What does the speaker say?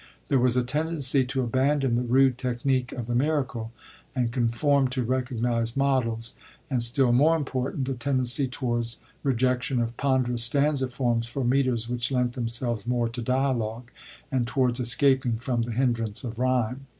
There was a tendency to abandon the i«ude technique of the Miracle, and conform to recognised models, and stUl more important^ the tendency towards rejection of ponderous stanza forms for metres which lent themselves more to dialog, and towards escaping from the hindrance of ryme.